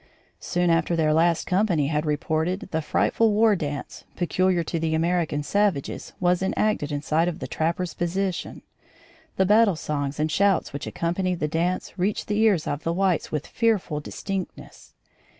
"Soon after their last company had reported, the frightful war dance, peculiar to the American savages, was enacted in sight of the trappers' position. The battle songs and shouts which accompanied the dance reached the ears of the whites with fearful distinctness.